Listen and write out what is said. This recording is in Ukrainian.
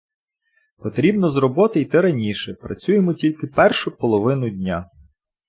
Потрібно з роботи йти раніше, працюємо тільки першу половину дня.